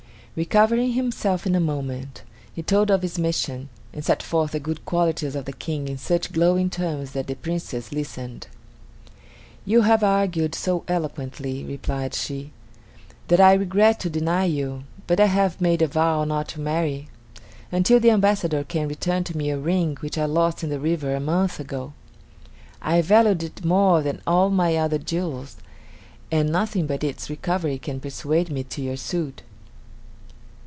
Recovering himself in a moment, he told of his mission, and set forth the good qualities of the King in such glowing terms that the Princess listened. "You have argued so eloquently," replied she, "that I regret to deny you; but I have made a vow not to marry, until the ambassador can return to me a ring which I lost in the river a month ago. I valued it more than all my other jewels, and nothing but its recovery can persuade me to your suit."